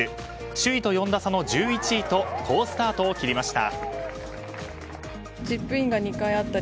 首位と４打差の１１位と好スタートを切りました。